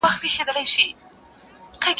د انسان زړه آیینه زړه یې صیقل دی.